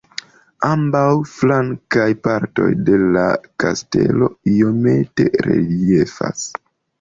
Ambaŭ flankaj partoj de la kastelo iomete reliefas.